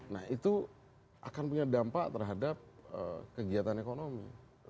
nah itu akan punya dampak terhadap kegiatan ekonomi